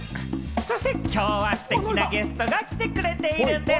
そしてきょうはステキなゲストが来てくれているんです。